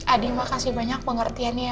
adi makasih banyak pengertiannya